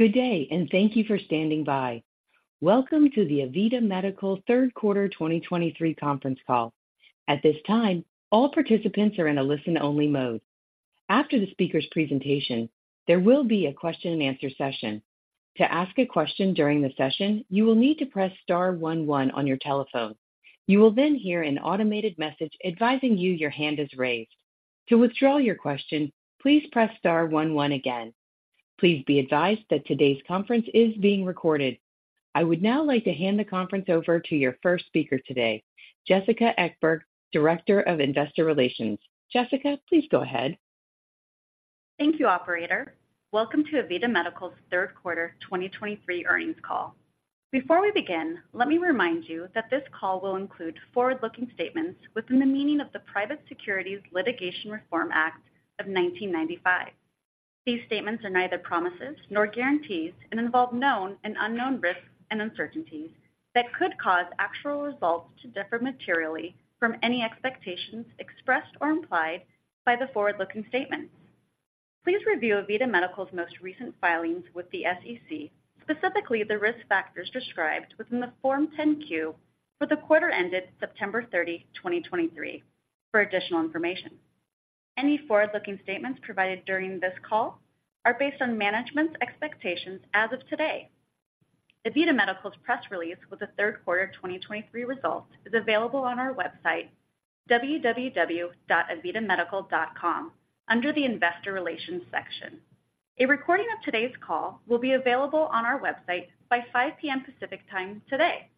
Good day, and thank you for standing by. Welcome to the AVITA Medical Third Quarter 2023 conference call. At this time, all participants are in a listen-only mode. After the speaker's presentation, there will be a question-and-answer session. To ask a question during the session, you will need to press star one one on your telephone. You will then hear an automated message advising you your hand is raised. To withdraw your question, please press star one one again. Please be advised that today's conference is being recorded. I would now like to hand the conference over to your first speaker today, Jessica Ekeberg, Director of Investor Relations. Jessica, please go ahead. Thank you, operator. Welcome to AVITA Medical's third quarter 2023 earnings call. Before we begin, let me remind you that this call will include forward-looking statements within the meaning of the Private Securities Litigation Reform Act of 1995. These statements are neither promises nor guarantees, and involve known and unknown risks and uncertainties that could cause actual results to differ materially from any expectations expressed or implied by the forward-looking statements. Please review AVITA Medical's most recent filings with the SEC, specifically the risk factors described within the Form 10-Q for the quarter ended September 30, 2023, for additional information. Any forward-looking statements provided during this call are based on management's expectations as of today. AVITA Medical's press release with the third quarter of 2023 results is available on our website, www.avitamedical.com, under the Investor Relations section. A recording of today's call will be available on our website by 5:00 P.M. Pacific Time today.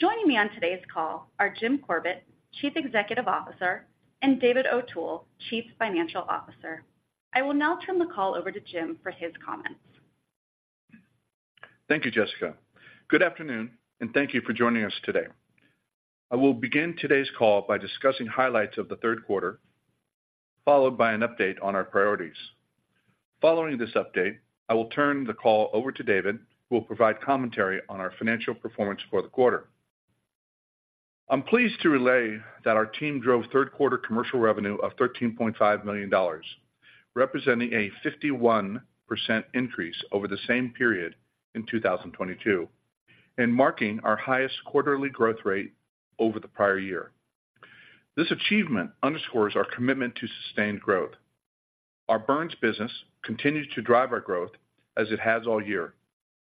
Joining me on today's call are Jim Corbett, Chief Executive Officer, and David O'Toole, Chief Financial Officer. I will now turn the call over to Jim for his comments. Thank you, Jessica. Good afternoon, and thank you for joining us today. I will begin today's call by discussing highlights of the third quarter, followed by an update on our priorities. Following this update, I will turn the call over to David, who will provide commentary on our financial performance for the quarter. I'm pleased to relay that our team drove third-quarter commercial revenue of $13.5 million, representing a 51% increase over the same period in 2022 and marking our highest quarterly growth rate over the prior year. This achievement underscores our commitment to sustained growth. Our burns business continues to drive our growth as it has all year.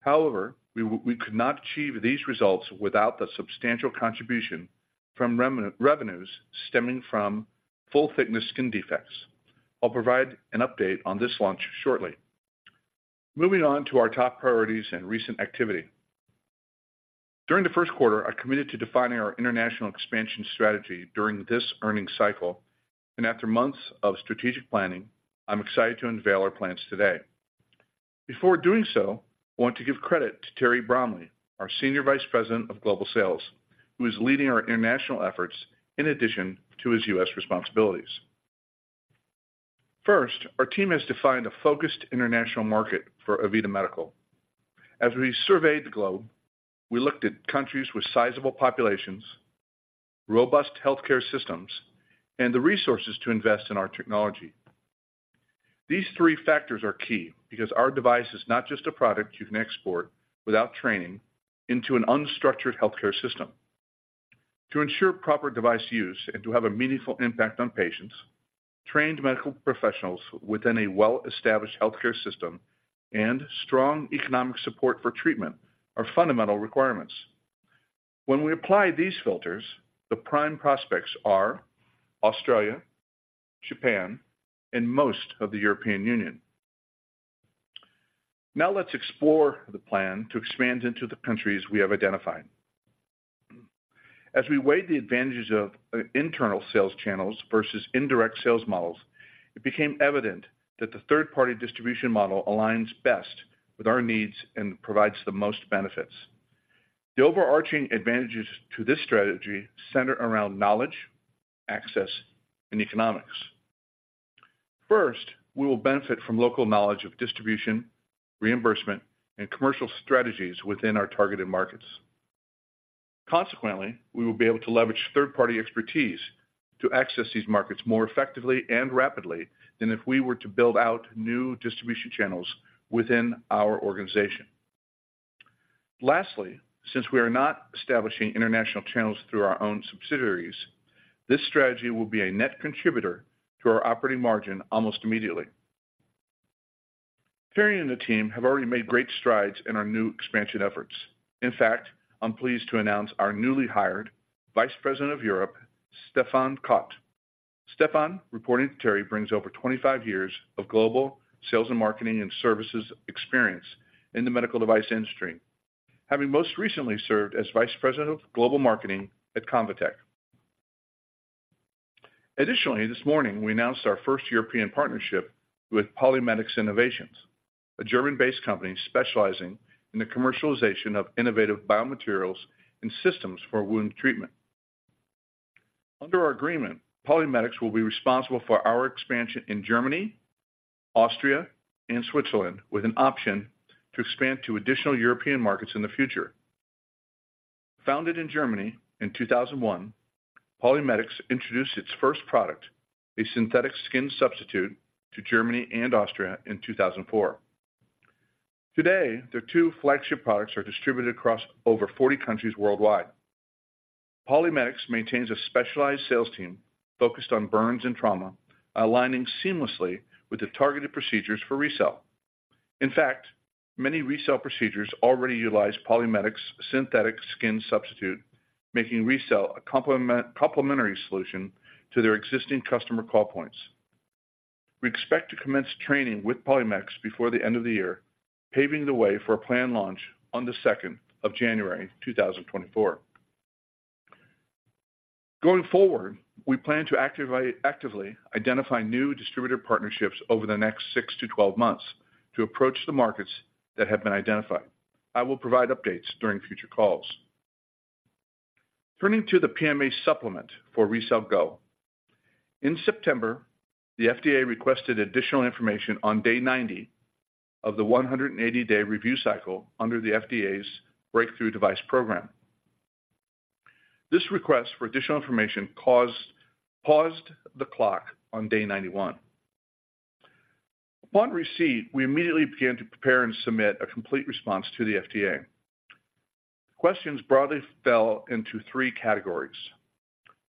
However, we could not achieve these results without the substantial contribution from revenues stemming from full-thickness skin defects. I'll provide an update on this launch shortly. Moving on to our top priorities and recent activity. During the first quarter, I committed to defining our international expansion strategy during this earnings cycle, and after months of strategic planning, I'm excited to unveil our plans today. Before doing so, I want to give credit to Terry Bromley, our Senior Vice President of Global Sales, who is leading our international efforts in addition to his U.S. responsibilities. First, our team has defined a focused international market for AVITA Medical. As we surveyed the globe, we looked at countries with sizable populations, robust healthcare systems, and the resources to invest in our technology. These three factors are key because our device is not just a product you can export without training into an unstructured healthcare system. To ensure proper device use and to have a meaningful impact on patients, trained medical professionals within a well-established healthcare system and strong economic support for treatment are fundamental requirements. When we apply these filters, the prime prospects are Australia, Japan, and most of the European Union. Now let's explore the plan to expand into the countries we have identified. As we weighed the advantages of internal sales channels versus indirect sales models, it became evident that the third-party distribution model aligns best with our needs and provides the most benefits. The overarching advantages to this strategy center around knowledge, access, and economics. First, we will benefit from local knowledge of distribution, reimbursement, and commercial strategies within our targeted markets. Consequently, we will be able to leverage third-party expertise to access these markets more effectively and rapidly than if we were to build out new distribution channels within our organization. Lastly, since we are not establishing international channels through our own subsidiaries, this strategy will be a net contributor to our operating margin almost immediately. Terry and the team have already made great strides in our new expansion efforts. In fact, I'm pleased to announce our newly hired Vice President of Europe, Stefan Kott. Stefan, reporting to Terry, brings over 25 years of global sales and marketing and services experience in the medical device industry, having most recently served as vice president of global marketing at ConvaTec. Additionally, this morning, we announced our first European partnership with PolyMedics Innovations, a German-based company specializing in the commercialization of innovative biomaterials and systems for wound treatment. Under our agreement, PolyMedics will be responsible for our expansion in Germany, Austria, and Switzerland, with an option to expand to additional European markets in the future. Founded in Germany in 2001, PolyMedics introduced its first product, a synthetic skin substitute, to Germany and Austria in 2004. Today, their two flagship products are distributed across over 40 countries worldwide. PolyMedics maintains a specialized sales team focused on burns and trauma, aligning seamlessly with the targeted procedures for RECELL. In fact, many RECELL procedures already utilize PolyMedics' synthetic skin substitute, making RECELL a complementary solution to their existing customer call points. We expect to commence training with PolyMedics before the end of the year, paving the way for a planned launch on the 2nd of January, 2024. Going forward, we plan to actively identify new distributor partnerships over the next 6-12 months to approach the markets that have been identified. I will provide updates during future calls. Turning to the PMA supplement for RECELL GO. In September, the FDA requested additional information on day 90 of the 180-day review cycle under the FDA's Breakthrough Device Program. This request for additional information paused the clock on day 91. Upon receipt, we immediately began to prepare and submit a complete response to the FDA. Questions broadly fell into three categories.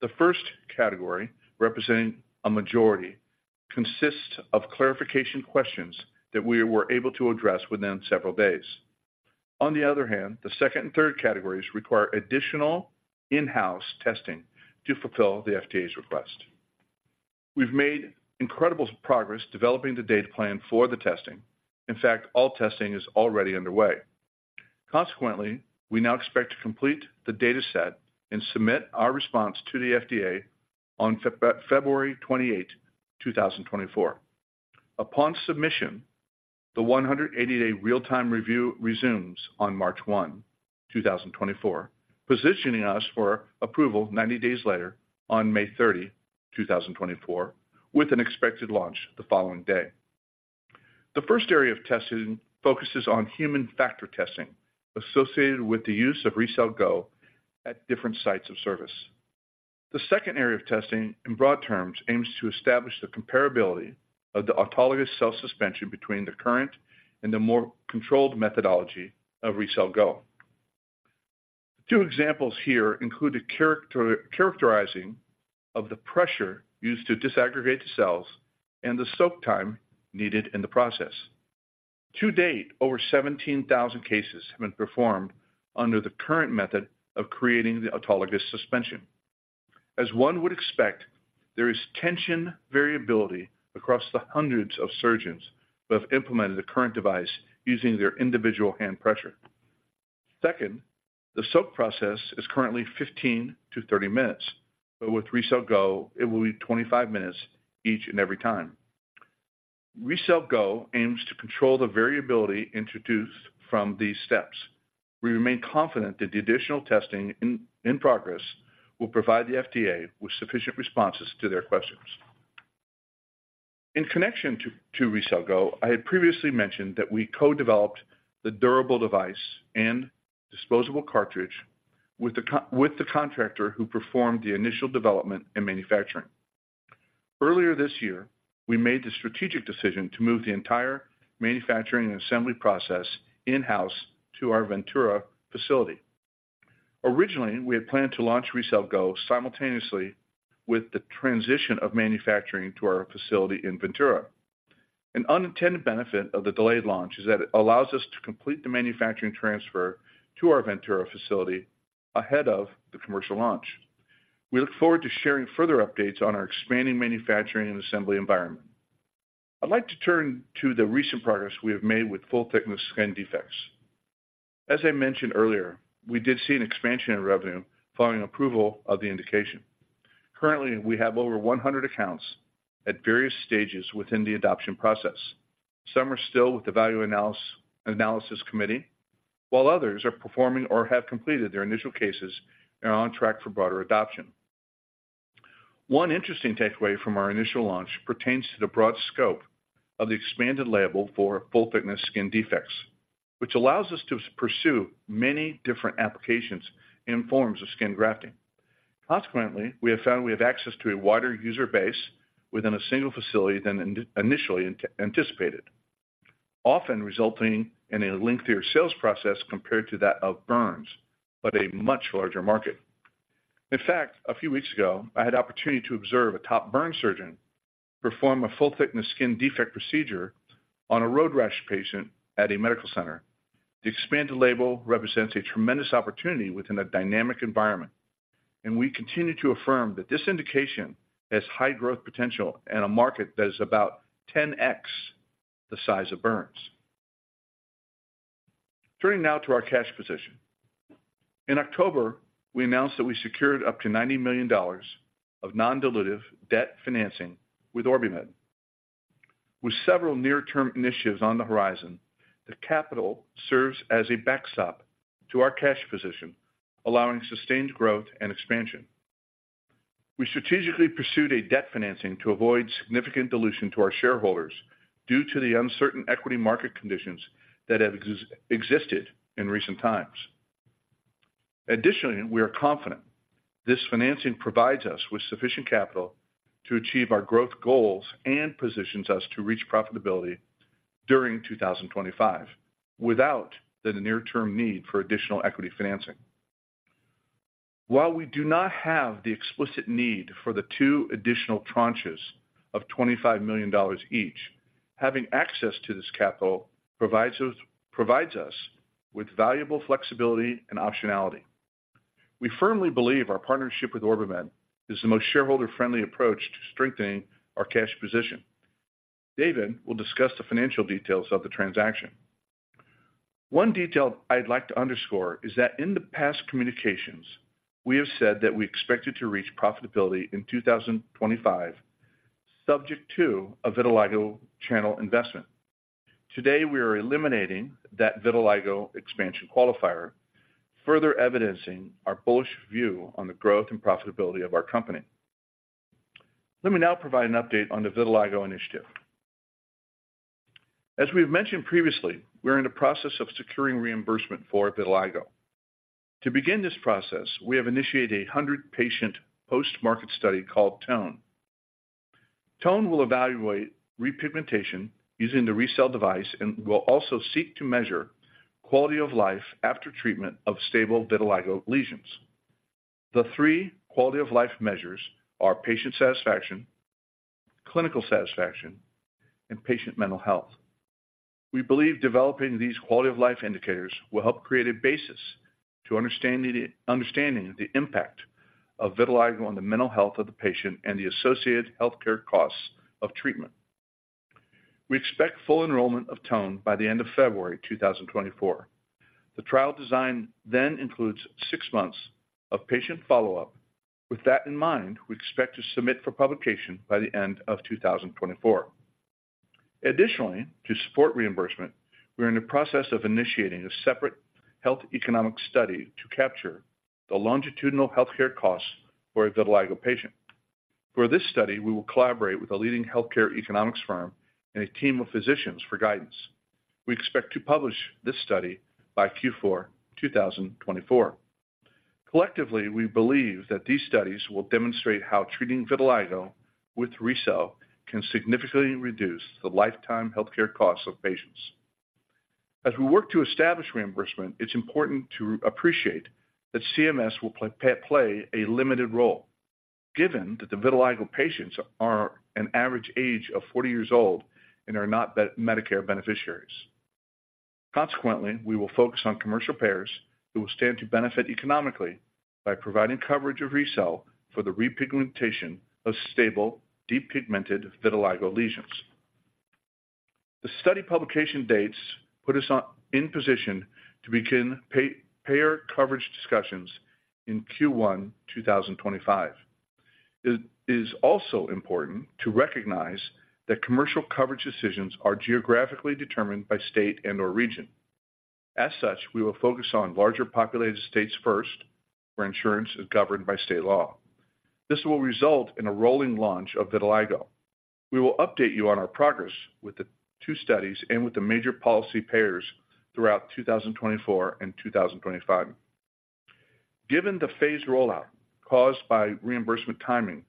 The first category, representing a majority, consists of clarification questions that we were able to address within several days. On the other hand, the second and third categories require additional in-house testing to fulfill the FDA's request. We've made incredible progress developing the data plan for the testing. In fact, all testing is already underway. Consequently, we now expect to complete the data set and submit our response to the FDA on February 28, 2024. Upon submission, the 180-day real-time review resumes on March 1, 2024, positioning us for approval 90 days later, on May 30, 2024, with an expected launch the following day. The first area of testing focuses on human factor testing associated with the use of RECELL GO at different sites of service. The second area of testing, in broad terms, aims to establish the comparability of the autologous cell suspension between the current and the more controlled methodology of RECELL GO. Two examples here include the characterizing of the pressure used to disaggregate the cells and the soak time needed in the process. To date, over 17,000 cases have been performed under the current method of creating the autologous suspension. As one would expect, there is tension variability across the hundreds of surgeons who have implemented the current device using their individual hand pressure. Second, the soak process is currently 15-30 minutes, but with RECELL GO, it will be 25 minutes each and every time. RECELL GO aims to control the variability introduced from these steps. We remain confident that the additional testing in progress will provide the FDA with sufficient responses to their questions. In connection to RECELL GO, I had previously mentioned that we co-developed the durable device and disposable cartridge with the contractor who performed the initial development and manufacturing. Earlier this year, we made the strategic decision to move the entire manufacturing and assembly process in-house to our Ventura facility. Originally, we had planned to launch RECELL GO simultaneously with the transition of manufacturing to our facility in Ventura. An unintended benefit of the delayed launch is that it allows us to complete the manufacturing transfer to our Ventura facility ahead of the commercial launch. We look forward to sharing further updates on our expanding manufacturing and assembly environment. I'd like to turn to the recent progress we have made with full-thickness skin defects. As I mentioned earlier, we did see an expansion in revenue following approval of the indication. Currently, we have over 100 accounts at various stages within the adoption process. Some are still with the Value Analysis Committee, while others are performing or have completed their initial cases and are on track for broader adoption. One interesting takeaway from our initial launch pertains to the broad scope of the expanded label for full-thickness skin defects, which allows us to pursue many different applications and forms of skin grafting. Consequently, we have found we have access to a wider user base within a single facility than initially anticipated, often resulting in a lengthier sales process compared to that of burns, but a much larger market. In fact, a few weeks ago, I had the opportunity to observe a top burn surgeon perform a full-thickness skin defect procedure on a road rash patient at a medical center. The expanded label represents a tremendous opportunity within a dynamic environment, and we continue to affirm that this indication has high growth potential in a market that is about 10x the size of burns. Turning now to our cash position. In October, we announced that we secured up to $90 million of non-dilutive debt financing with OrbiMed. With several near-term initiatives on the horizon, the capital serves as a backstop to our cash position, allowing sustained growth and expansion. We strategically pursued a debt financing to avoid significant dilution to our shareholders due to the uncertain equity market conditions that have existed in recent times. Additionally, we are confident this financing provides us with sufficient capital to achieve our growth goals and positions us to reach profitability during 2025, without the near-term need for additional equity financing. While we do not have the explicit need for the two additional tranches of $25 million each, having access to this capital provides us, provides us with valuable flexibility and optionality. We firmly believe our partnership with OrbiMed is the most shareholder-friendly approach to strengthening our cash position. David will discuss the financial details of the transaction. One detail I'd like to underscore is that in the past communications, we have said that we expected to reach profitability in 2025, subject to a vitiligo channel investment. Today, we are eliminating that vitiligo expansion qualifier, further evidencing our bullish view on the growth and profitability of our company. Let me now provide an update on the vitiligo initiative. As we have mentioned previously, we're in the process of securing reimbursement for vitiligo. To begin this process, we have initiated a 100-patient post-market study called TONE. TONE will evaluate repigmentation using the RECELL device and will also seek to measure quality of life after treatment of stable vitiligo lesions. The three quality-of-life measures are patient satisfaction, clinical satisfaction, and patient mental health. We believe developing these quality-of-life indicators will help create a basis to understanding the impact of vitiligo on the mental health of the patient and the associated healthcare costs of treatment. We expect full enrollment of TONE by the end of February 2024. The trial design then includes six months of patient follow-up. With that in mind, we expect to submit for publication by the end of 2024. Additionally, to support reimbursement, we're in the process of initiating a separate health economic study to capture the longitudinal healthcare costs for a vitiligo patient. For this study, we will collaborate with a leading healthcare economics firm and a team of physicians for guidance. We expect to publish this study by Q4 2024. Collectively, we believe that these studies will demonstrate how treating vitiligo with RECELL can significantly reduce the lifetime healthcare costs of patients. As we work to establish reimbursement, it's important to appreciate that CMS will play a limited role, given that the vitiligo patients are an average age of 40 years old and are not Medicare beneficiaries. Consequently, we will focus on commercial payers who will stand to benefit economically by providing coverage of RECELL for the repigmentation of stable, depigmented vitiligo lesions. The study publication dates put us in position to begin payer coverage discussions in Q1 2025. It is also important to recognize that commercial coverage decisions are geographically determined by state and/or region. As such, we will focus on larger populated states first, where insurance is governed by state law. This will result in a rolling launch of vitiligo. We will update you on our progress with the two studies and with the major policy payers throughout 2024 and 2025. Given the phased rollout caused by reimbursement timing,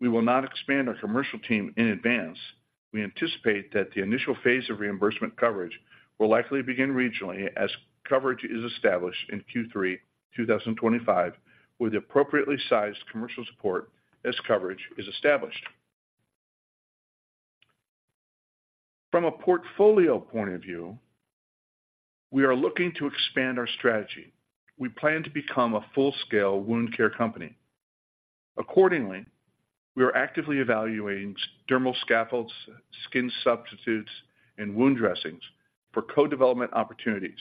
we will not expand our commercial team in advance. We anticipate that the initial phase of reimbursement coverage will likely begin regionally as coverage is established in Q3 2025, with appropriately sized commercial support as coverage is established. From a portfolio point of view, we are looking to expand our strategy. We plan to become a full-scale wound care company. Accordingly, we are actively evaluating dermal scaffolds, skin substitutes, and wound dressings for co-development opportunities.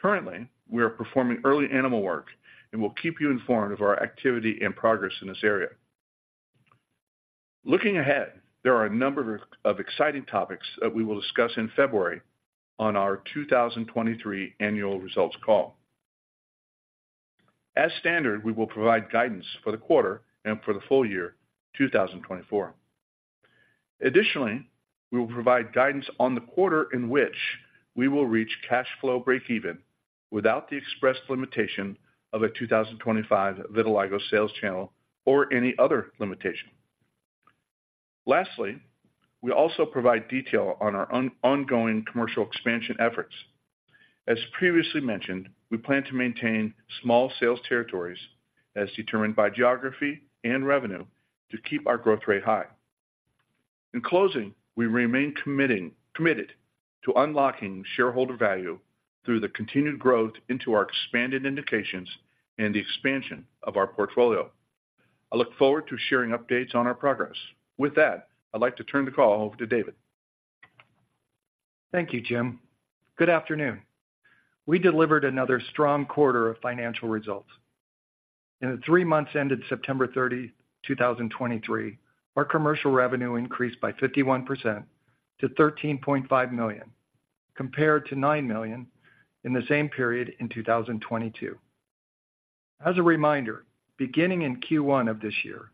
Currently, we are performing early animal work, and we'll keep you informed of our activity and progress in this area. Looking ahead, there are a number of exciting topics that we will discuss in February on our 2023 annual results call. As standard, we will provide guidance for the quarter and for the full year, 2024. Additionally, we will provide guidance on the quarter in which we will reach cash flow breakeven without the express limitation of a 2025 vitiligo sales channel or any other limitation. Lastly, we also provide detail on our ongoing commercial expansion efforts. As previously mentioned, we plan to maintain small sales territories as determined by geography and revenue, to keep our growth rate high. In closing, we remain committed to unlocking shareholder value through the continued growth into our expanded indications and the expansion of our portfolio. I look forward to sharing updates on our progress. With that, I'd like to turn the call over to David. Thank you, Jim. Good afternoon. We delivered another strong quarter of financial results. In the three months ended September 30, 2023, our commercial revenue increased by 51% to $13.5 million... compared to $9 million in the same period in 2022. As a reminder, beginning in Q1 of this year,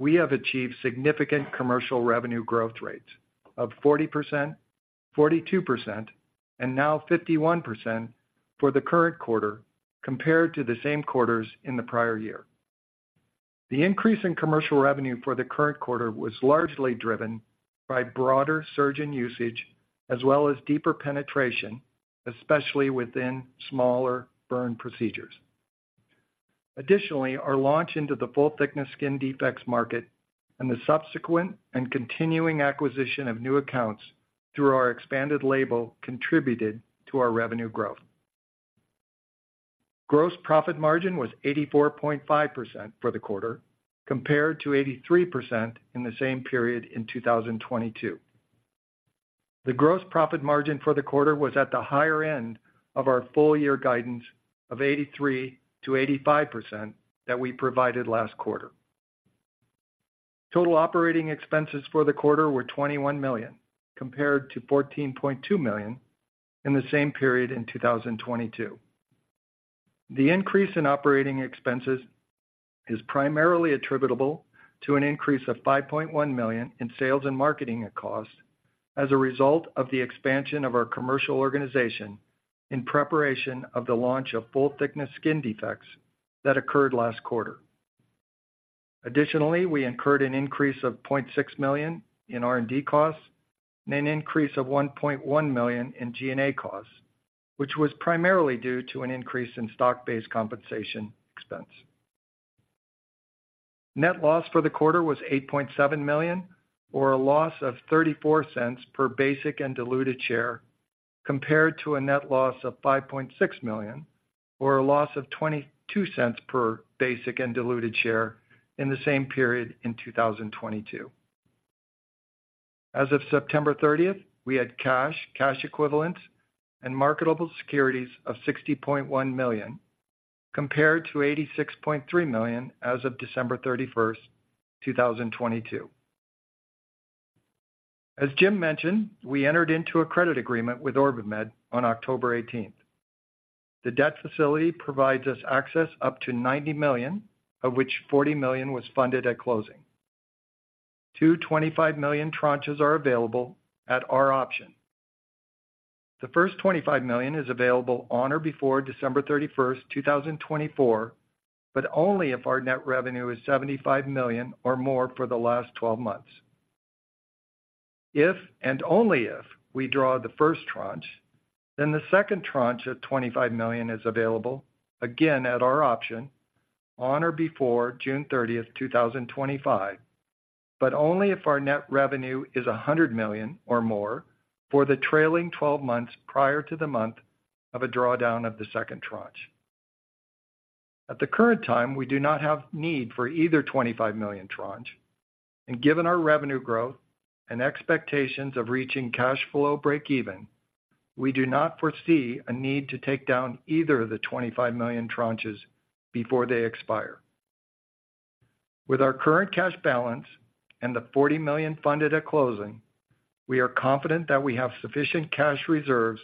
we have achieved significant commercial revenue growth rates of 40%, 42%, and now 51% for the current quarter, compared to the same quarters in the prior year. The increase in commercial revenue for the current quarter was largely driven by broader surgeon usage as well as deeper penetration, especially within smaller burn procedures. Additionally, our launch into the full-thickness skin defects market and the subsequent and continuing acquisition of new accounts through our expanded label contributed to our revenue growth. Gross profit margin was 84.5% for the quarter, compared to 83% in the same period in 2022. The gross profit margin for the quarter was at the higher end of our full year guidance of 83%-85% that we provided last quarter. Total operating expenses for the quarter were $21 million, compared to $14.2 million in the same period in 2022. The increase in operating expenses is primarily attributable to an increase of $5.1 million in sales and marketing costs as a result of the expansion of our commercial organization in preparation of the launch of full-thickness skin defects that occurred last quarter. Additionally, we incurred an increase of $0.6 million in R&D costs and an increase of $1.1 million in G&A costs, which was primarily due to an increase in stock-based compensation expense. Net loss for the quarter was $8.7 million, or a loss of $0.34 per basic and diluted share, compared to a net loss of $5.6 million, or a loss of $0.22 per basic and diluted share in the same period in 2022. As of September 30, we had cash, cash equivalents, and marketable securities of $60.1 million, compared to $86.3 million as of December 31, 2022. As Jim mentioned, we entered into a credit agreement with OrbiMed on October 18. The debt facility provides us access up to $90 million, of which $40 million was funded at closing. Two $25 million tranches are available at our option. The first $25 million is available on or before December 31, 2024, but only if our net revenue is $75 million or more for the last twelve months. If, and only if, we draw the first tranche, then the second tranche of $25 million is available, again, at our option, on or before June 30, 2025, but only if our net revenue is $100 million or more for the trailing twelve months prior to the month of a drawdown of the second tranche. At the current time, we do not have need for either $25 million tranche, and given our revenue growth and expectations of reaching cash flow breakeven, we do not foresee a need to take down either of the $25 million tranches before they expire. With our current cash balance and the $40 million funded at closing, we are confident that we have sufficient cash reserves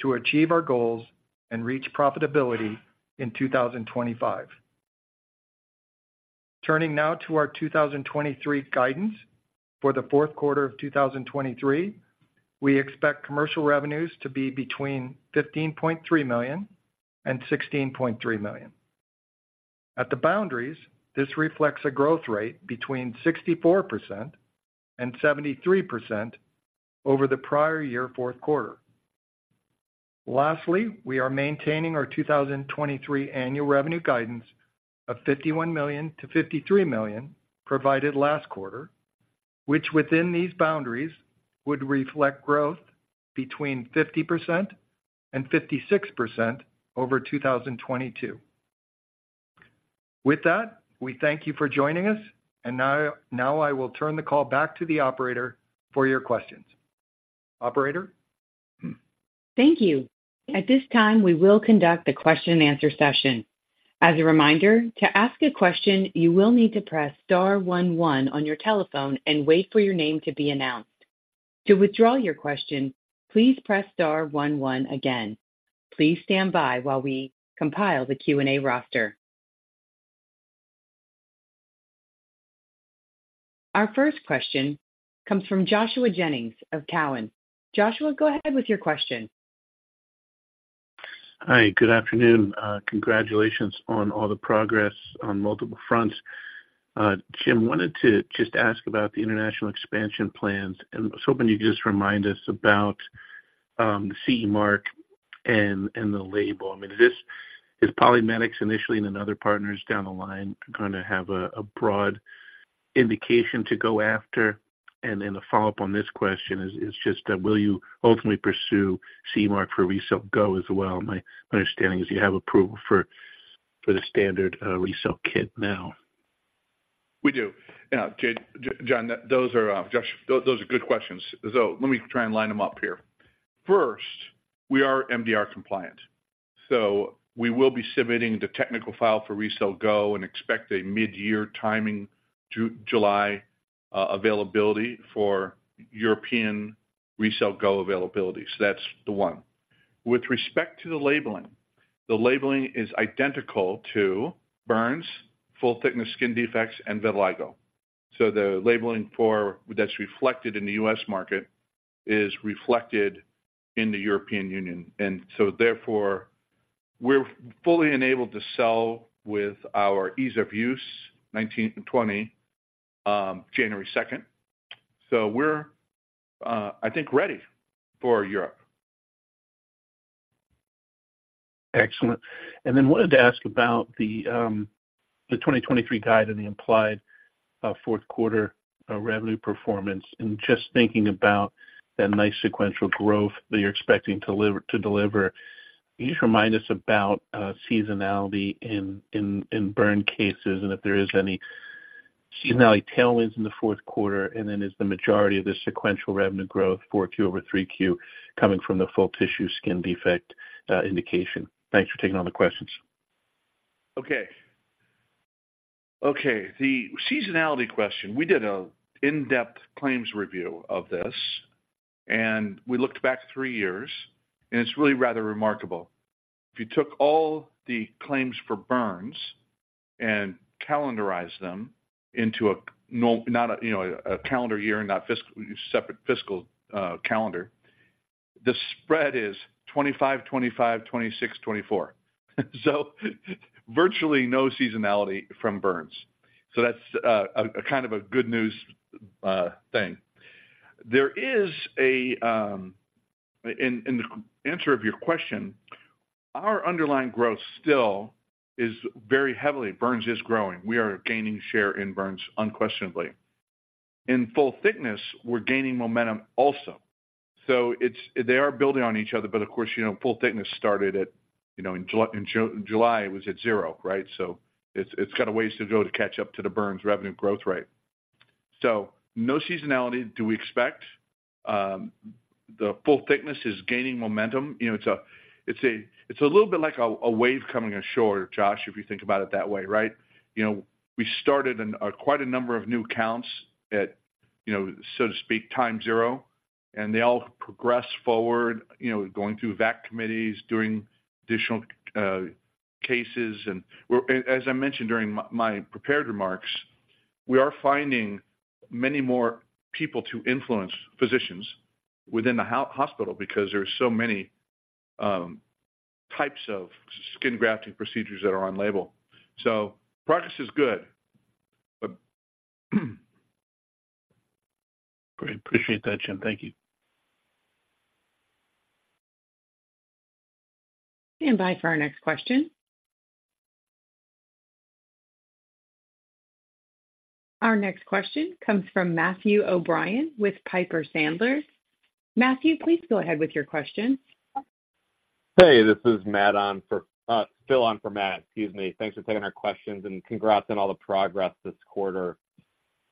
to achieve our goals and reach profitability in 2025. Turning now to our 2023 guidance. For the fourth quarter of 2023, we expect commercial revenues to be between $15.3 million and $16.3 million. At the boundaries, this reflects a growth rate between 64% and 73% over the prior-year fourth quarter. Lastly, we are maintaining our 2023 annual revenue guidance of $51 million-$53 million provided last quarter, which within these boundaries, would reflect growth between 50% and 56% over 2022. With that, we thank you for joining us, and now I will turn the call back to the operator for your questions. Operator? Thank you. At this time, we will conduct a question and answer session. As a reminder, to ask a question, you will need to press star 11 on your telephone and wait for your name to be announced. To withdraw your question, please press star 11 again. Please stand by while we compile the Q&A roster. Our first question comes from Joshua Jennings of Cowen. Joshua, go ahead with your question. Hi, good afternoon. Congratulations on all the progress on multiple fronts. Jim, wanted to just ask about the international expansion plans, and I was hoping you'd just remind us about the CE mark and the label. I mean, is this, is PolyMedics initially and then other partners down the line gonna have a broad indication to go after? And then the follow-up on this question is just will you ultimately pursue CE mark for RECELL GO as well? My understanding is you have approval for the standard RECELL kit now. We do. Yeah, Josh, those are good questions. So let me try and line them up here. First, we are MDR compliant. So we will be submitting the technical file for RECELL GO and expect a mid-year timing July availability for European RECELL GO availability. So that's the one. With respect to the labeling, the labeling is identical to burns, full-thickness skin defects, and vitiligo. So the labeling for that's reflected in the U.S. market is reflected in the European Union, and so therefore, we're fully enabled to sell with our ease of use, 2019 and 2020, January second. So we're, I think, ready for Europe. Excellent. Then wanted to ask about the 2023 guide and the implied fourth quarter revenue performance, and just thinking about that nice sequential growth that you're expecting to deliver. Can you just remind us about seasonality in burn cases, and if there is any seasonality tailwinds in the fourth quarter, and then is the majority of the sequential revenue growth for Q4 over Q3 coming from the full-thickness skin defect indication? Thanks for taking all the questions. Okay. Okay, the seasonality question. We did an in-depth claims review of this, and we looked back three years, and it's really rather remarkable. If you took all the claims for burns and calendarize them into not a, you know, a calendar year, not fiscal, separate fiscal calendar, the spread is 25, 25, 26, 24. So virtually no seasonality from burns. So that's a kind of a good news thing. There is a, in the answer of your question, our underlying growth still is very heavily, burns is growing. We are gaining share in burns unquestionably. In full thickness, we're gaining momentum also. So it's they are building on each other, but of course, you know, full thickness started at, you know, in July, it was at zero, right? So it's got a ways to go to catch up to the burns revenue growth rate. So no seasonality do we expect. The full thickness is gaining momentum. You know, it's a little bit like a wave coming ashore, Josh, if you think about it that way, right? You know, we started quite a number of new accounts at, you know, so to speak, time zero, and they all progress forward, you know, going through VAC committees, doing additional cases. And we're, as I mentioned during my prepared remarks, we are finding many more people to influence physicians within the hospital because there are so many types of skin grafting procedures that are on label. So progress is good, but Great. Appreciate that, Jim. Thank you. Stand by for our next question. Our next question comes from Matthew O'Brien with Piper Sandler. Matthew, please go ahead with your question. Hey, this is Matt on for, Phil on for Matt. Excuse me. Thanks for taking our questions, and congrats on all the progress this quarter.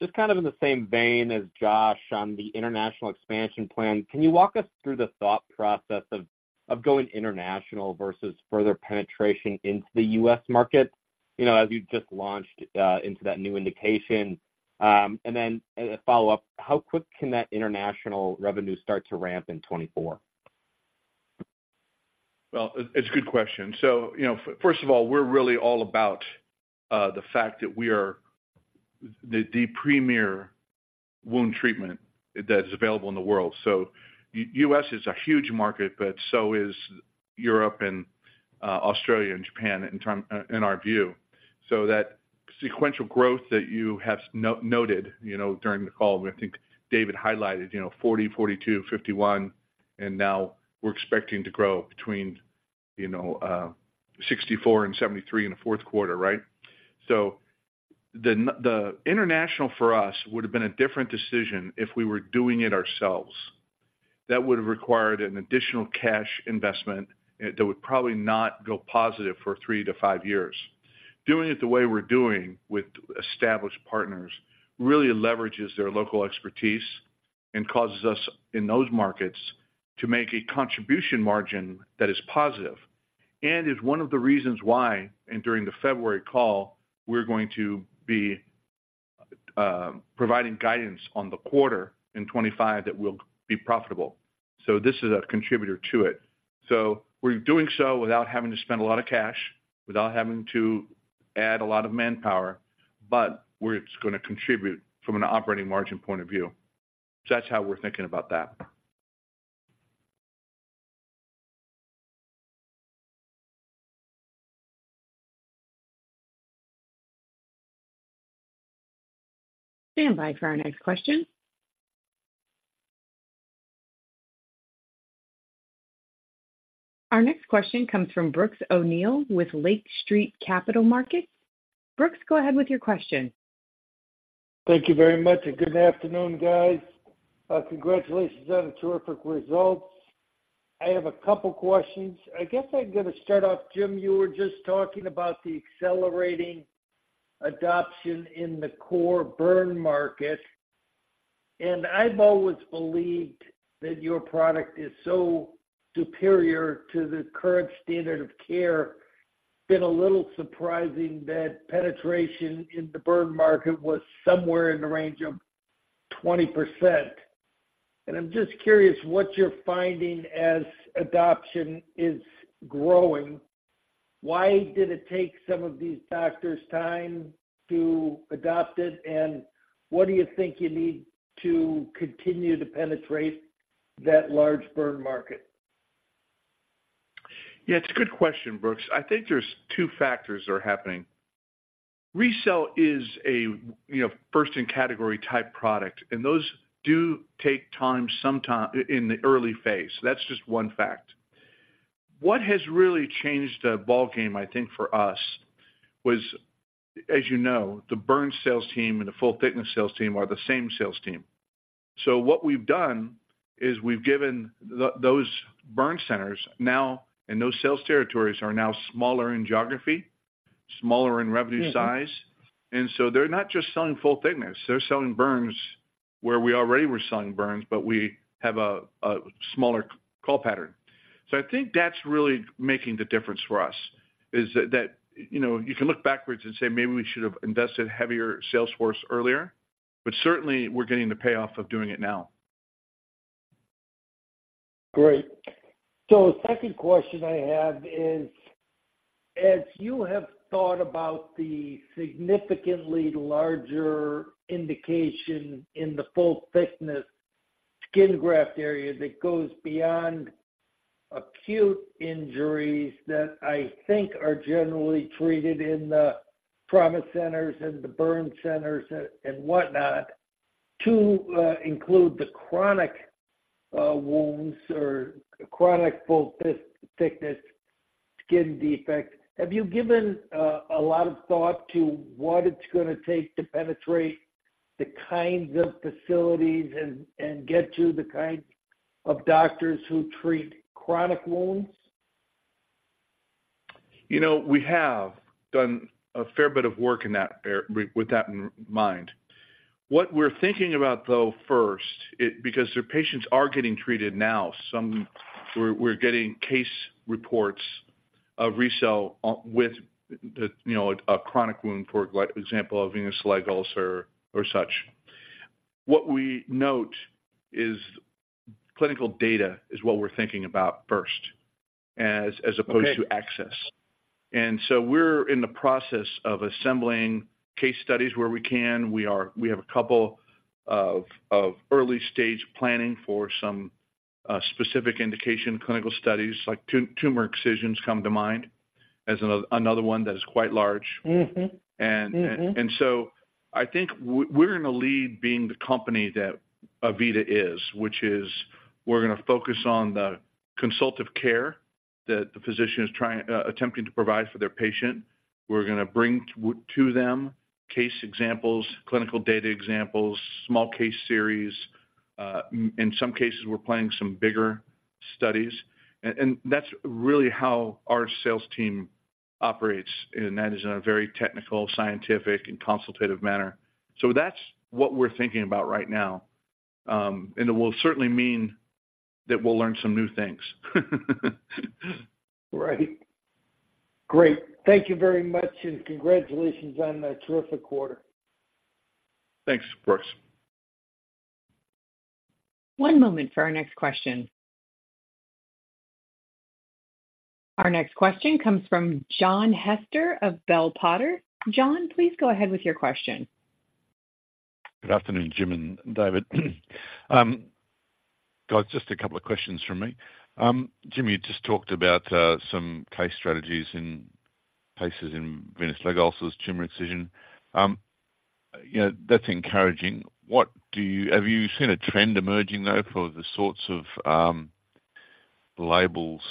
Just kind of in the same vein as Josh on the international expansion plan, can you walk us through the thought process of, of going international versus further penetration into the U.S. market, you know, as you just launched, into that new indication? And then as a follow-up, how quick can that international revenue start to ramp in 2024? Well, it's a good question. So, you know, first of all, we're really all about, the fact that we are the, the premier wound treatment that is available in the world. So U.S. is a huge market, but so is Europe and, Australia and Japan, in turn, in our view. So that sequential growth that you have noted, you know, during the call, I think David highlighted, you know, 40, 42, 51, and now we're expecting to grow between, you know, 64 and 73 in the fourth quarter, right? So the international for us would have been a different decision if we were doing it ourselves. That would have required an additional cash investment that would probably not go positive for three to five years. Doing it the way we're doing with established partners really leverages their local expertise and causes us in those markets to make a contribution margin that is positive. And is one of the reasons why, and during the February call, we're going to be providing guidance on the quarter in 25, that we'll be profitable. So this is a contributor to it. So we're doing so without having to spend a lot of cash, without having to add a lot of manpower, but it's gonna contribute from an operating margin point of view. So that's how we're thinking about that. Stand by for our next question. Our next question comes from Brooks O'Neill with Lake Street Capital Markets. Brooks, go ahead with your question. Thank you very much, and good afternoon, guys. Congratulations on the terrific results. I have a couple questions. I guess I'm gonna start off, Jim, you were just talking about the accelerating adoption in the core burn market.... And I've always believed that your product is so superior to the current standard of care. Been a little surprising that penetration in the burn market was somewhere in the range of 20%. And I'm just curious what you're finding as adoption is growing. Why did it take some of these doctors time to adopt it? And what do you think you need to continue to penetrate that large burn market? Yeah, it's a good question, Brooks. I think there's two factors are happening. RECELL is a, you know, first-in-category type product, and those do take time, sometimes, in the early phase. That's just one fact. What has really changed the ballgame, I think, for us, was, as you know, the burn sales team and the full-thickness sales team are the same sales team. So what we've done is we've given those burn centers now, and those sales territories are now smaller in geography, smaller in revenue size. And so they're not just selling full thickness. They're selling burns where we already were selling burns, but we have a smaller call pattern. So I think that's really making the difference for us, is that you know, you can look backwards and say, "Maybe we should have invested heavier salesforce earlier," but certainly, we're getting the payoff of doing it now. Great. So the second question I have is, as you have thought about the significantly larger indication in the full-thickness skin graft area that goes beyond acute injuries that I think are generally treated in the trauma centers and the burn centers and, and whatnot, to include the chronic wounds or chronic full-thickness skin defect. Have you given a lot of thought to what it's gonna take to penetrate the kinds of facilities and, and get to the kinds of doctors who treat chronic wounds? You know, we have done a fair bit of work in that area with that in mind. What we're thinking about, though, first, because their patients are getting treated now. We're getting case reports of RECELL, you know, a chronic wound, for like example, a venous leg ulcer or such. What we note is clinical data is what we're thinking about first, as- Okay as opposed to access. And so we're in the process of assembling case studies where we can. We have a couple of early stage planning for some specific indication clinical studies, like tumor excisions come to mind as another one that is quite large. And, And so I think we're in a lead, being the company that AVITA is, which is we're gonna focus on the consultative care that the physician is trying, attempting to provide for their patient. We're gonna bring to them case examples, clinical data examples, small case series. In some cases, we're planning some bigger studies. And that's really how our sales team operates, and that is in a very technical, scientific, and consultative manner. So that's what we're thinking about right now, and it will certainly mean that we'll learn some new things. Right. Great. Thank you very much, and congratulations on a terrific quarter. Thanks, Brooks. One moment for our next question. Our next question comes from John Hester of Bell Potter. John, please go ahead with your question. Good afternoon, Jim and David. Guys, just a couple of questions from me. Jim, you just talked about some case strategies in cases in venous leg ulcers, tumor excision. You know, that's encouraging. What do you have you seen a trend emerging, though, for the sorts of labels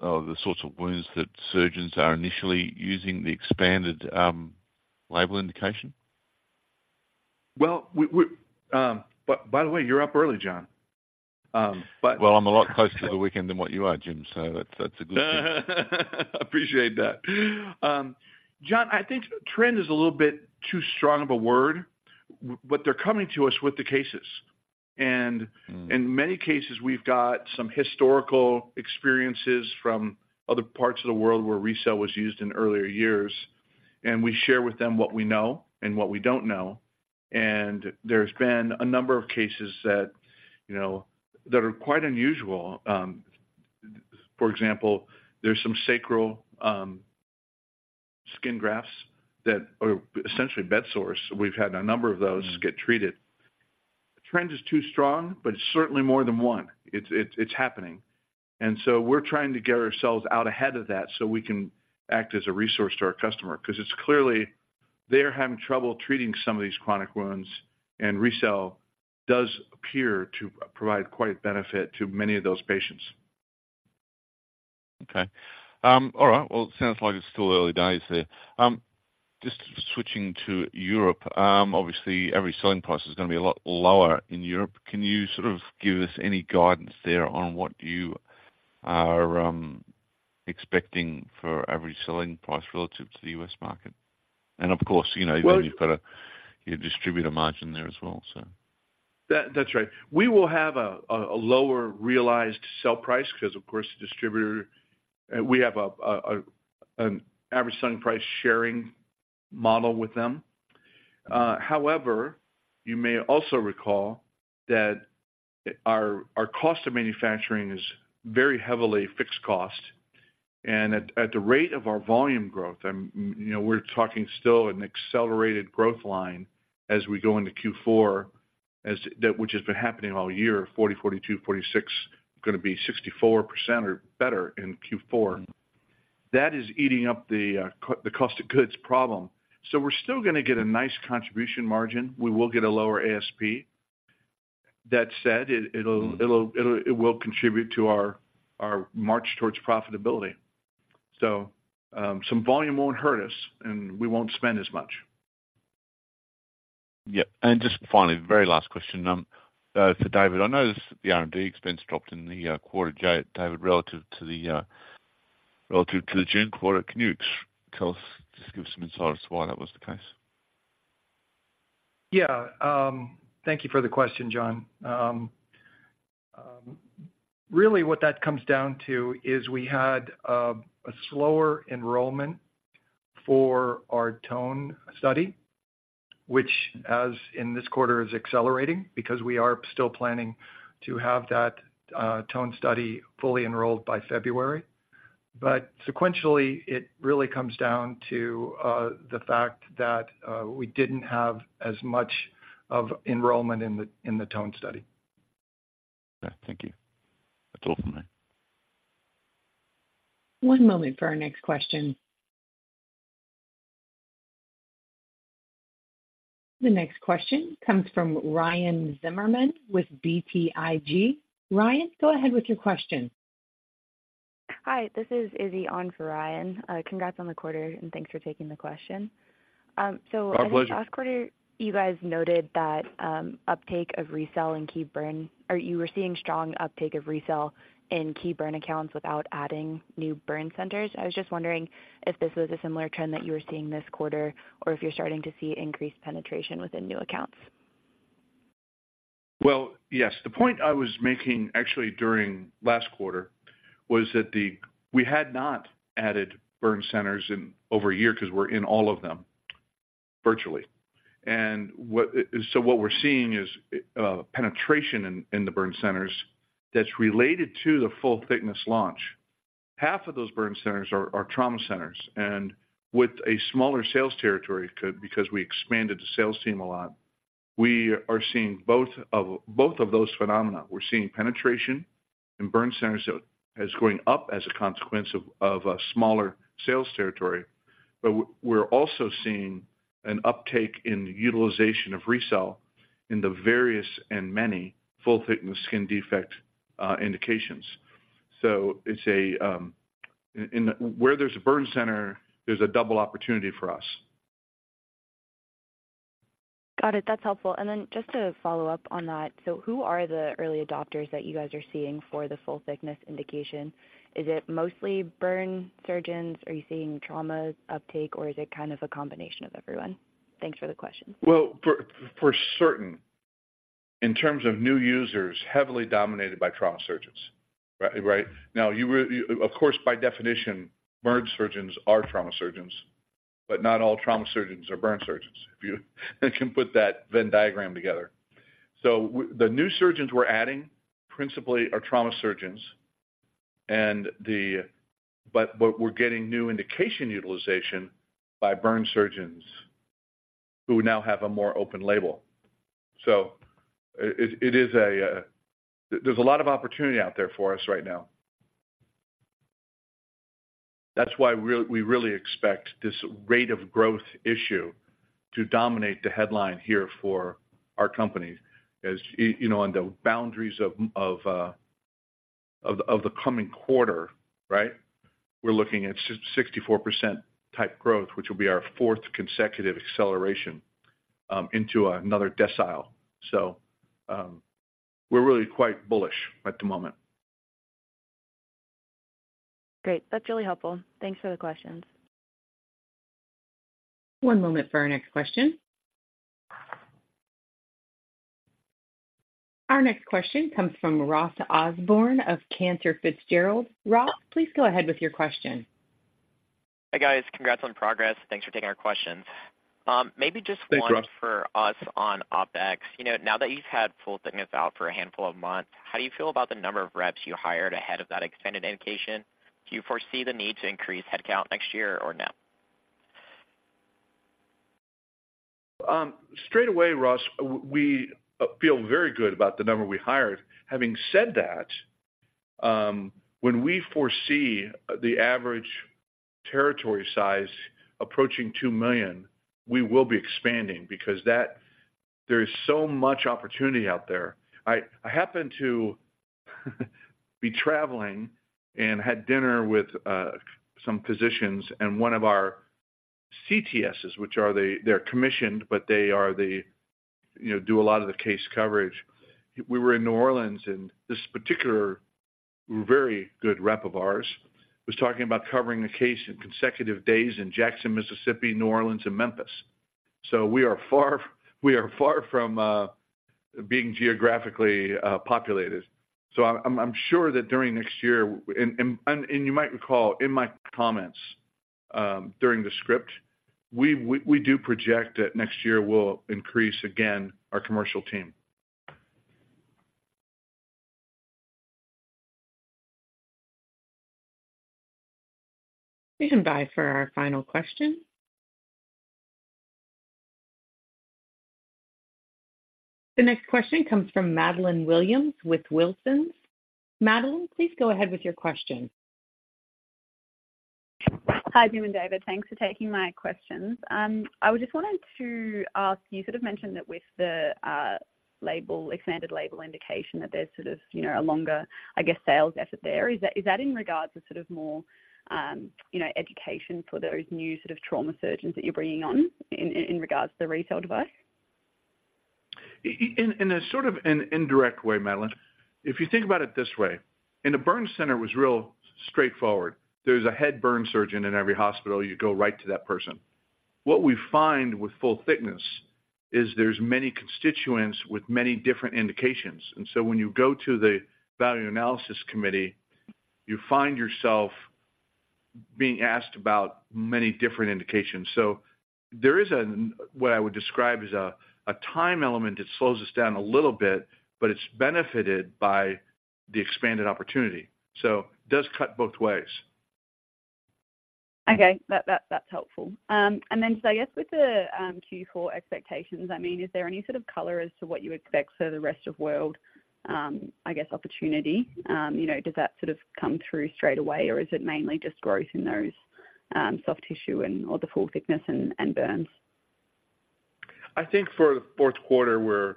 or the sorts of wounds that surgeons are initially using the expanded label indication? Well, by the way, you're up early, John. But- Well, I'm a lot closer to the weekend than what you are, Jim, so that's, that's a good thing. Appreciate that. John, I think trend is a little bit too strong of a word, but they're coming to us with the cases. In many cases, we've got some historical experiences from other parts of the world where RECELL was used in earlier years, and we share with them what we know and what we don't know. There's been a number of cases that, you know, that are quite unusual. For example, there's some sacral skin grafts that are essentially bedsores. We've had a number of those- -get treated. Trend is too strong, but it's certainly more than one. It's happening. And so we're trying to get ourselves out ahead of that so we can act as a resource to our customer, 'cause it's clearly they are having trouble treating some of these chronic wounds, and RECELL does appear to provide quite a benefit to many of those patients. Okay. All right. Well, it sounds like it's still early days there. Just switching to Europe, obviously, every selling price is gonna be a lot lower in Europe. Can you sort of give us any guidance there on what you are?... expecting for average selling price relative to the U.S. market. And of course, you know, you've got a, you distribute a margin there as well, so. That, that's right. We will have a lower realized sell price because, of course, the distributor, we have an average selling price sharing model with them. However, you may also recall that our cost of manufacturing is very heavily fixed cost, and at the rate of our volume growth, you know, we're talking still an accelerated growth line as we go into Q4, as that which has been happening all year, 40, 42, 46, going to be 64% or better in Q4. That is eating up the cost of goods problem. So we're still gonna get a nice contribution margin. We will get a lower ASP. That said, it, it'll- It will contribute to our march toward profitability. So, some volume won't hurt us, and we won't spend as much. Yep. And just finally, very last question to David. I know the R&D expense dropped in the quarter, David, relative to the June quarter. Can you tell us, just give us some insights why that was the case? Yeah, thank you for the question, John. Really what that comes down to is we had a slower enrollment for our TONE study, which as in this quarter, is accelerating because we are still planning to have that TONE study fully enrolled by February. But sequentially, it really comes down to the fact that we didn't have as much of enrollment in the TONE study. Okay, thank you. That's all for me. One moment for our next question. The next question comes from Ryan Zimmerman with BTIG. Ryan, go ahead with your question. Hi, this is Izzy on for Ryan. Congrats on the quarter, and thanks for taking the question. So- Our pleasure. I think last quarter, you guys noted that, uptake of RECELL in key burn, or you were seeing strong uptake of RECELL in key burn accounts without adding new burn centers. I was just wondering if this was a similar trend that you were seeing this quarter, or if you're starting to see increased penetration within new accounts? Well, yes. The point I was making actually during last quarter was that the... We had not added burn centers in over a year because we're in all of them, virtually. And what, so what we're seeing is penetration in the burn centers that's related to the full-thickness launch. Half of those burn centers are trauma centers, and with a smaller sales territory, because we expanded the sales team a lot, we are seeing both of those phenomena. We're seeing penetration in burn centers, so as going up as a consequence of a smaller sales territory. But we're also seeing an uptake in the utilization of RECELL in the various and many full-thickness skin defect indications. So it's a, in, where there's a burn center, there's a double opportunity for us. Got it. That's helpful. And then just to follow up on that: So who are the early adopters that you guys are seeing for the full thickness indication? Is it mostly burn surgeons? Are you seeing trauma uptake, or is it kind of a combination of everyone? Thanks for the question. Well, for certain, in terms of new users, heavily dominated by trauma surgeons. Right? Now, you were... Of course, by definition, burn surgeons are trauma surgeons, but not all trauma surgeons are burn surgeons, if you can put that Venn diagram together. So the new surgeons we're adding, principally, are trauma surgeons, but we're getting new indication utilization by burn surgeons who now have a more open label. So, there's a lot of opportunity out there for us right now. That's why we really expect this rate of growth issue to dominate the headline here for our company, as you know, on the boundaries of the coming quarter, right? We're looking at 64% type growth, which will be our fourth consecutive acceleration into another decile. We're really quite bullish at the moment. Great. That's really helpful. Thanks for the questions. One moment for our next question. Our next question comes from Ross Osborn of Cantor Fitzgerald. Ross, please go ahead with your question. Hi, guys. Congrats on progress. Thanks for taking our questions. Maybe just one- Thanks, Ross. -for us on OpEx. You know, now that you've had full thickness out for a handful of months, how do you feel about the number of reps you hired ahead of that extended indication? Do you foresee the need to increase headcount next year or no? Straight away, Ross, we feel very good about the number we hired. Having said that, when we foresee the average territory size approaching $2 million, we will be expanding because there is so much opportunity out there. I happened to be traveling and had dinner with some physicians and one of our CTSs, which are they're commissioned, but they are the, you know, do a lot of the case coverage. We were in New Orleans, and this particular very good rep of ours was talking about covering a case in consecutive days in Jackson, Mississippi, New Orleans, and Memphis. So we are far, we are far from being geographically populated. So I'm sure that during next year, you might recall in my comments, during the script, we do project that next year we'll increase again our commercial team. Standby for our final question. The next question comes from Madeline Williams with Wilson. Madeline, please go ahead with your question. Hi, Jim and David. Thanks for taking my questions. I just wanted to ask, you sort of mentioned that with the label, expanded label indication, that there's sort of, you know, a longer, I guess, sales effort there. Is that in regards to sort of more, you know, education for those new sort of trauma surgeons that you're bringing on in regards to the RECELL device? In a sort of an indirect way, Madeline. If you think about it this way, in the burn center was real straightforward. There's a head burn surgeon in every hospital, you go right to that person. What we find with full thickness is there's many constituents with many different indications. And so when you go to the Value Analysis Committee, you find yourself being asked about many different indications. So there is an, what I would describe as a, a time element that slows us down a little bit, but it's benefited by the expanded opportunity. So it does cut both ways. Okay, that, that, that's helpful. And then so I guess with the Q4 expectations, I mean, is there any sort of color as to what you expect for the rest of world, I guess, opportunity? You know, does that sort of come through straight away, or is it mainly just growth in those soft tissue or the full thickness and burns? I think for the fourth quarter, we're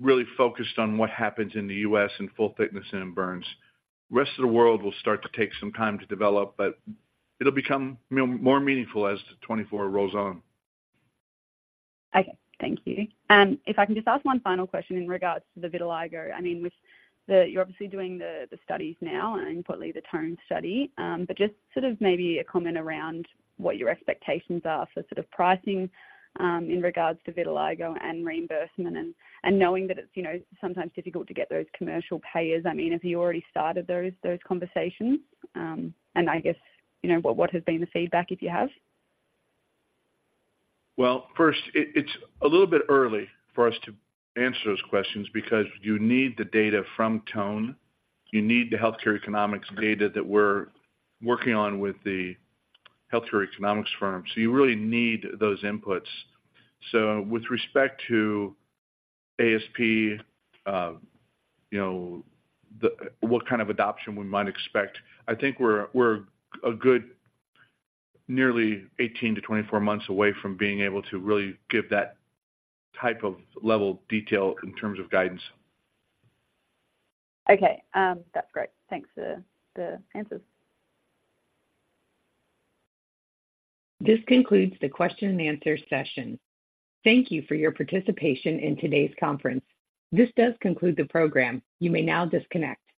really focused on what happens in the U.S. in full thickness and in burns. Rest of the world will start to take some time to develop, but it'll become more meaningful as 2024 rolls on. Okay, thank you. If I can just ask one final question in regards to the vitiligo. I mean, with the-- you're obviously doing the, the studies now and importantly, the TONE study, but just sort of maybe a comment around what your expectations are for sort of pricing, in regards to vitiligo and reimbursement and, and knowing that it's, you know, sometimes difficult to get those commercial payers. I mean, have you already started those, those conversations? And I guess, you know, what, what has been the feedback, if you have? Well, first, it's a little bit early for us to answer those questions because you need the data from TONE. You need the healthcare economics data that we're working on with the healthcare economics firm. So you really need those inputs. So with respect to ASP, you know, what kind of adoption we might expect, I think we're a good nearly 18-24 months away from being able to really give that type of level of detail in terms of guidance. Okay. That's great. Thanks for the answers. This concludes the question and answer session. Thank you for your participation in today's conference. This does conclude the program. You may now disconnect.